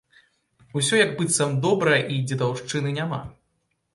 Усё як быццам добра і дзедаўшчыны няма.